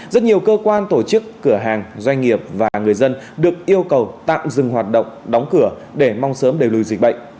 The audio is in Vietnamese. rất nhiều cơ quan tổ chức cửa hàng doanh nghiệp và người dân được yêu cầu tạm dừng hoạt động đóng cửa để mong sớm đẩy lùi dịch bệnh